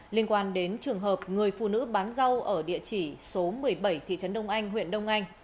liên quan đến trường hợp người phụ nữ bán rau ở địa chỉ số một mươi bảy thị trấn đông anh huyện đông anh